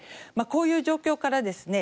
こういう状況からですね